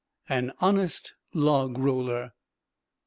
_An Honest Log Roller.